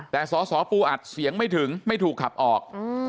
แต่สอสอปูอัดเสียงไม่ถึงไม่ถูกขับออก